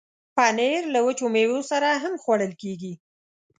پنېر له وچو میوو سره هم خوړل کېږي.